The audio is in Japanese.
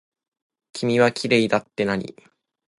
君はきれいだってなに。